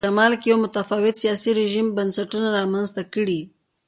په شمال کې یو متفاوت سیاسي رژیم بنسټونه رامنځته کړي.